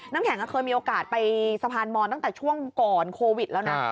น้ำแข็งเคยมีโอกาสไปสะพานมอนตั้งแต่ช่วงก่อนโควิดแล้วนะ